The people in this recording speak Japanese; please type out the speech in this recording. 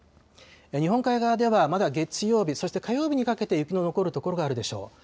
日本海側ではまだ月曜日、そして火曜日にかけて雪の残る所があるでしょう。